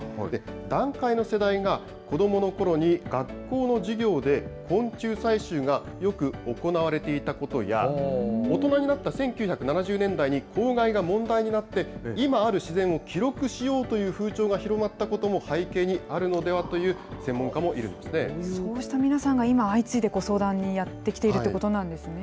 団塊の世代が子どものころに学校の授業で昆虫採集がよく行われていたことや、大人になった１９７０年代に公害が問題になって、今ある自然を記録しようという風潮が広まったことも背景にあるのそうした皆さんが今、相次いで相談にやって来ているということなんですね。